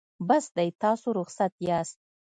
بس دی تاسو رخصت یاست.